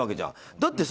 だってさ